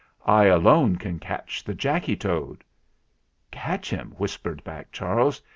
I alone can catch the Jacky Toad!" "Catch him!" whispered back Charles.